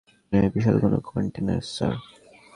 মনে হয় বিশাল কোনো কন্টেইনার, স্যার।